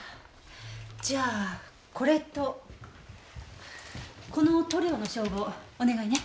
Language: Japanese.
じゃあこれとこの塗料の照合お願いね。